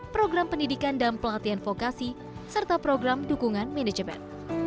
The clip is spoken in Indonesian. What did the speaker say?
program pendidikan dan pelatihan vokasi serta program dukungan manajemen